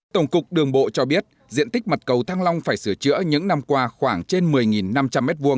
tổng cục đường bộ cho biết diện tích mặt cầu thăng long phải sửa chữa những năm qua khoảng trên một mươi năm trăm linh m hai